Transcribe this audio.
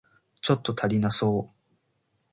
ちょっと足りなそう